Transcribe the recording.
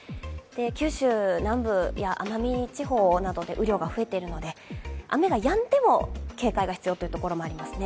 九州南部や奄美地方などで雨量が増えているので雨がやんでも警戒が必要というところもありますね。